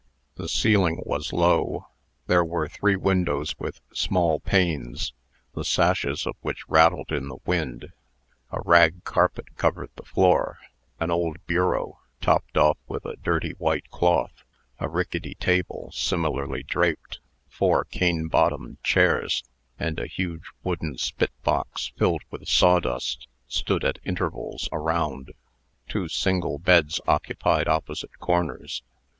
The ceiling was low; there were three windows with small panes, the sashes of which rattled in the wind; a rag carpet covered the floor; an old bureau, topped off with a dirty white cloth, a rickety table similarly draped, four cane bottomed chairs, and a huge wooden spitbox filled with sawdust, stood at intervals around. Two single beds occupied opposite corners.